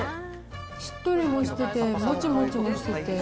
しっとりもしてて、もちもちもしてて。